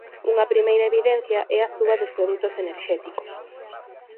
Unha primeira evidencia é a suba dos produtos enerxéticos.